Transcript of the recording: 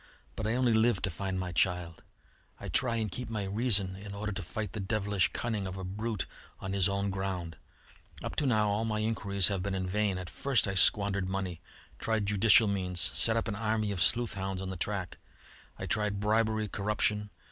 But I only live to find my child. I try and keep my reason in order to fight the devilish cunning of a brute on his own ground. Up to now all my inquiries have been in vain. At first I squandered money, tried judicial means, set an army of sleuth hounds on the track. I tried bribery, corruption.